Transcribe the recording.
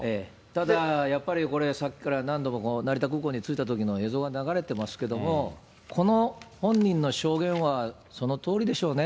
ただ、やっぱりこれ、さっきから何度も成田空港に着いたときの映像が流れていますけれども、この本人の証言はそのとおりでしょうね。